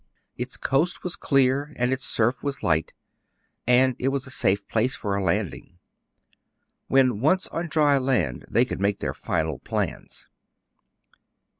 Its coast was clear, and its surf was light ; and it would be a safe place for a landing. When once on dry land, they could make their final plans.